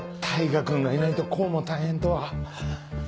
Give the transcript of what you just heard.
大牙君がいないとこうも大変とは。